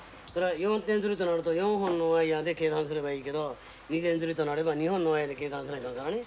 ４点づりとなると４本のワイヤーで計算すればいいけど２点づりとなれば２本のワイヤーで計算せないかんからね。